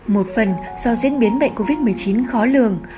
một phần do diễn biến bệnh covid một mươi chín khó lường